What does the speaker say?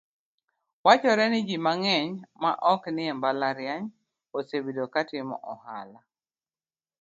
Wachore ni ji mang'eny ma ok nie mbalariany, osebedo ka timo ohala